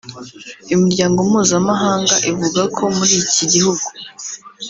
Imiryango mpuzamahanga ivuga ko muriiki gihugu